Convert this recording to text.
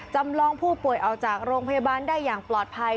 จำลองผู้ป่วยออกจากโรงพยาบาลได้อย่างปลอดภัย